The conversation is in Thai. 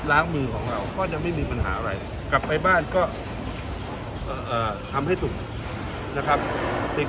ท่านพูดไปก่อนผมกินต่อครับเฮ้ยให้ยอดโหะอีกซักครั้ง